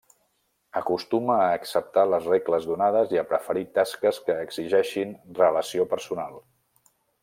Acostuma a acceptar les regles donades i a preferir tasques que exigeixin relació personal.